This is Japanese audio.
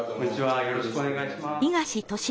よろしくお願いします。